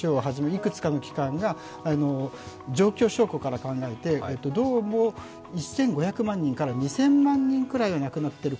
いくつかの機関が状況証拠から考えて、どうも１５００万人から２０００万人くらいが亡くなっている。